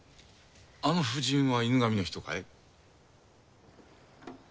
あの婦人は犬神の人かい？